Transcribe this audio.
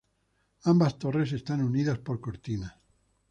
Ambas torres están unidas por cortinas.